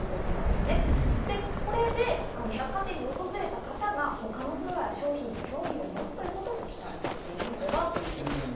で、これで百貨店に訪れた方が他のフロアや商品に興味を持つということも期待されているのではということです。